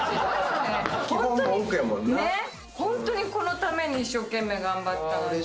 ホントにこのために一生懸命頑張ったのに。